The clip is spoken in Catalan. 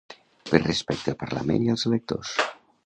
Per respecte al parlament i als electors.